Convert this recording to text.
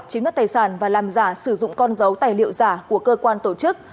chiếm đoạt tài sản và làm giả sử dụng con dấu tài liệu giả của cơ quan tổ chức